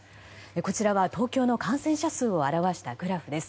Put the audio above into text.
こちらは東京の感染者数を表したグラフです。